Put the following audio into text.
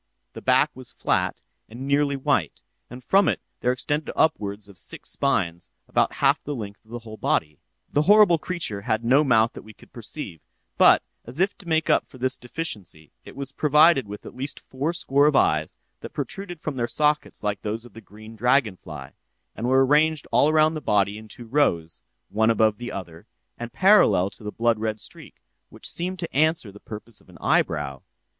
The back was flat and nearly white, and from it there extended upwards of six spines, about half the length of the whole body. "'This horrible creature had no mouth that we could perceive; but, as if to make up for this deficiency, it was provided with at least four score of eyes, that protruded from their sockets like those of the green dragon fly, and were arranged all around the body in two rows, one above the other, and parallel to the blood red streak, which seemed to answer the purpose of an eyebrow.